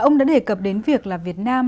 ông đã đề cập đến việc là việt nam